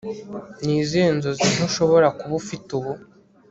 ni izihe nzozi nto ushobora kuba ufite ubu